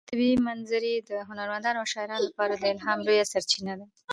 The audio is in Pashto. طبیعي منظرې د هنرمندانو او شاعرانو لپاره د الهام لویه سرچینه ده.